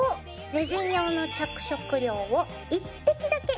レジン用の着色料を１滴だけ。